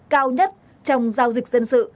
cao nhất trong giao dịch dân sự